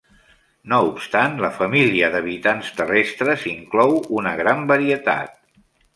No obstant, la família d'habitants terrestres inclou una gran varietat.